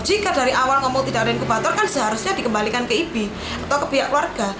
jika dari awal ngomong tidak ada inkubator kan seharusnya dikembalikan ke ibi atau ke pihak keluarga